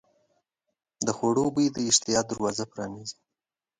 د خوړو بوی د اشتها دروازه پرانیزي.